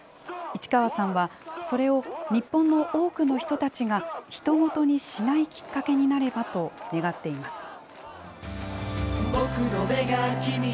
市川さんは、それを日本の多くの人たちが、ひと事にしないきっかけになればと願っています。